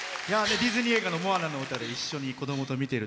ディズニー映画の「モアナ」の歌で一緒に子供と見てる。